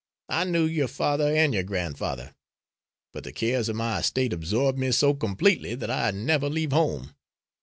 I knew your father and your grandfather. But the cares of my estate absorb me so completely that I never leave home.